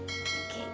biar saya bantu